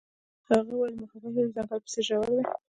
هغې وویل محبت یې د ځنګل په څېر ژور دی.